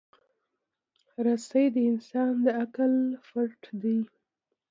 رسۍ د انسان د عقل پُت دی.